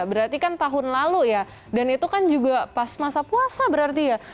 berarti kan tahun lalu ya dan itu kan juga pas masa puasa berarti ya